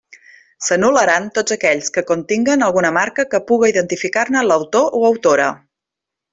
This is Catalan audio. S'anul·laran tots aquells que continguen alguna marca que puga identificar-ne l'autor o autora.